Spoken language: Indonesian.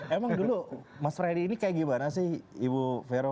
emang dulu mas freddy ini kayak gimana sih ibu vero